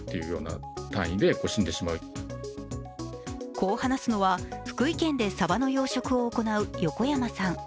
こう話すのは福井県でさばの養殖を行う横山さん。